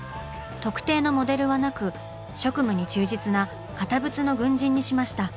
特定のモデルはなく職務に忠実な堅物の軍人にしました。